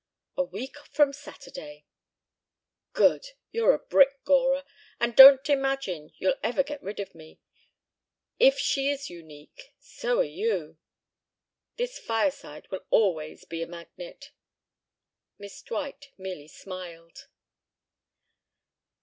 "A week from Saturday." "Good. You're a brick, Gora. And don't imagine you'll ever get rid of me. If she is unique, so are you. This fireside will always be a magnet." Miss Dwight merely smiled.